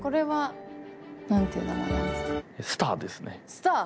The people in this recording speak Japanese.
スター！